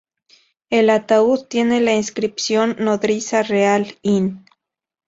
El ataúd tiene la inscripción "nodriza real, In".